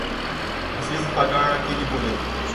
preciso pagar aquele boleto